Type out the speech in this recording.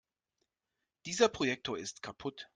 Dieser Projektor ist kaputt.